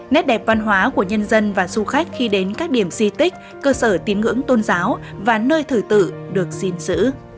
nét đẹp văn hóa của nhân dân và du khách khi đến các điểm di tích cơ sở tín ngưỡng tôn giáo và nơi thử tử được xin giữ